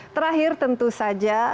terakhir tentu saja